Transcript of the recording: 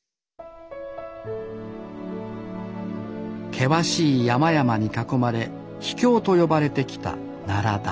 険しい山々に囲まれ「秘境」と呼ばれてきた奈良田。